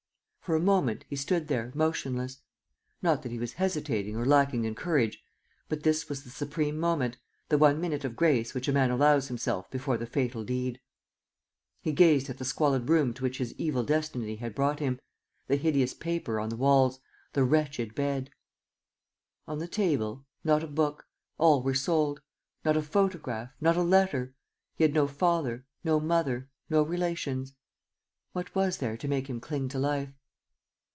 For a moment, he stood there, motionless: not that he was hesitating or lacking in courage. But this was the supreme moment, the one minute of grace which a man allows himself before the fatal deed. He gazed at the squalid room to which his evil destiny had brought him, the hideous paper on the walls, the wretched bed. On the table, not a book: all were sold. Not a photograph, not a letter: he had no father, no mother, no relations. What was there to make him cling to life?